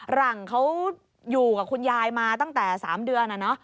หลังเขาอยู่กับคุณยายมาตั้งแต่๓เดือน